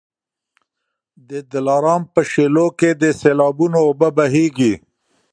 د دلارام په شېلو کي د سېلابونو اوبه بهیږي.